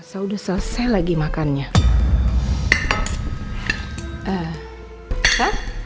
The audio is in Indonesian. saya udah selesai lagi makannya